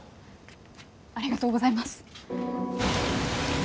ありがとうございます！